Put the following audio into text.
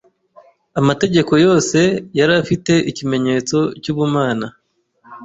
Amategeko yose yari afite ikimenyetso cy’ubumana,